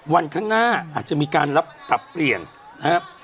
วันข้างหน้าอาจจะมีการรับปรับเปลี่ยนนะครับ